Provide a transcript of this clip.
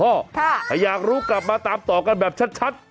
ถ้าอยากรู้กลับมาตามต่อกันแบบชัด